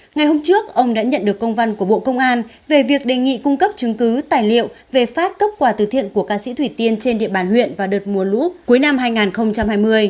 ngày hôm trước ông đã nhận được công văn của bộ công an về việc đề nghị cung cấp chứng cứ tài liệu về phát cấp quà từ thiện của ca sĩ thủy tiên trên địa bàn huyện vào đợt mùa lũ cuối năm hai nghìn hai mươi